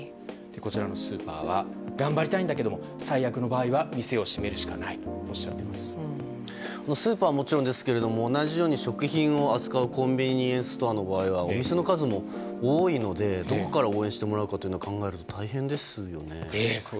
こちらのスーパーは頑張りたいんだけれども最悪の場合は店を閉めるしかないとスーパーはもちろんですが同じように食品を扱うコンビニエンスストアの場合はお店の数も多いのでどこから応援してもらうかと考えると大変ですよね。